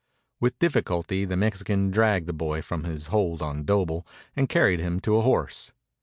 With difficulty the Mexican dragged the boy from his hold on Doble and carried him to a horse.